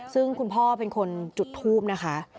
ซึ่งคุณพ่อเป็นคนจุดทูบนะคะ